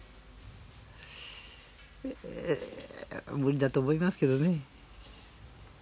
無理だと思いますけどね。